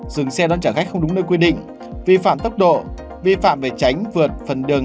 dừng xe đón trả khách không đúng nơi quy định vi phạm tốc độ vi phạm về tránh vượt phần đường